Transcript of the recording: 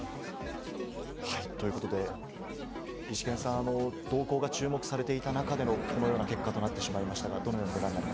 ということで、イシケンさん、動向が注目されていた中でのこのような結果となってしまいましたが。